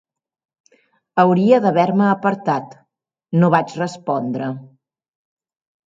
Hauria d'haver-me apartat. No vaig respondre.